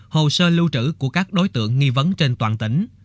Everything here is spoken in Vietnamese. hồ sơ lưu trữ của các đối tượng nghi vấn trên toàn tỉnh